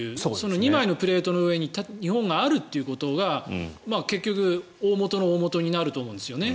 ２枚のプレートの上に日本があるということが結局、大本の大本になると思うんですね。